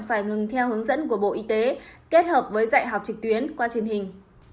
phải ngừng theo hướng dẫn của bộ y tế kết hợp với dạy học trực tuyến qua truyền hình